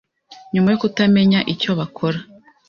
nyuma yo kutamenya icyo bakora